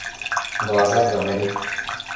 Глаза говори.